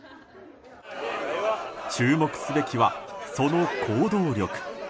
注目すべきは、その行動力。